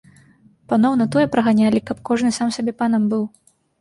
Паноў на тое праганялі, каб кожны сам сабе панам быў.